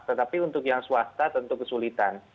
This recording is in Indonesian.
tetapi untuk yang swasta tentu kesulitan